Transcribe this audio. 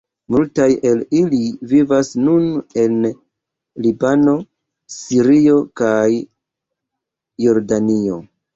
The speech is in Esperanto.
Multaj el ili vivas nun en Libano, Sirio kaj Jordanio.